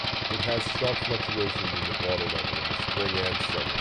It has sharp fluctuations in the water level in the spring and summer.